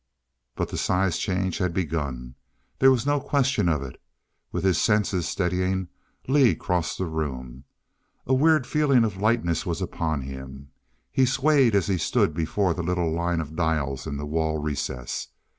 But the size change had begun, there was no question of it. With his senses steadying, Lee crossed the room. A weird feeling of lightness was upon him; he swayed as he stood before the little line of dials in the wall recess.